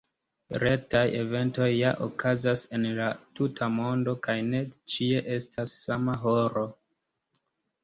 Retaj eventoj ja okazas en la tuta mondo kaj ne ĉie estas sama horo.